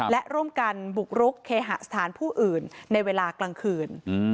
และร่วมกันบุกรุกเคหสถานผู้อื่นในเวลากลางคืน